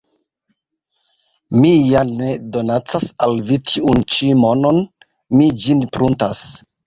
Mi ja ne donacas al vi tiun ĉi monon, mi ĝin pruntas.